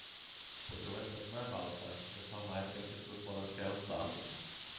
Po druhé světové válce se stal majetkem československého státu.